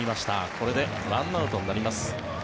これで１アウトになります。